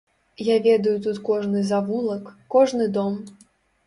Я ведаю тут кожны завулак, кожны дом.